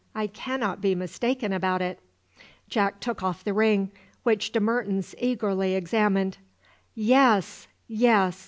I cannot be mistaken about it!" Jack took off the ring, which De Mertens eagerly examined. "Yes, yes!"